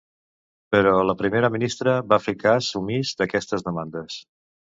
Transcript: Però la primera ministra va fer cas omís d’aquestes demandes.